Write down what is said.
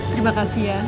terima kasih ya